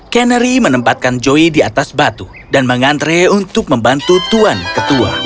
kenary menempatkan joy di atas batu dan mengantre untuk membantu tuan ketua